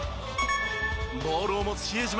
ボールを持つ比江島